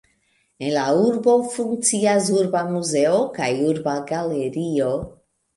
En la urbo funkcias Urba muzeo kaj Urba galerio.